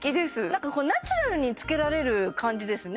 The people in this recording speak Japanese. ナチュラルにつけられる感じですね